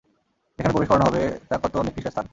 যেখানে প্রবেশ করানো হবে তা কত নিকৃষ্ট স্থান!